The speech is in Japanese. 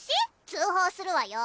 通報するわよ。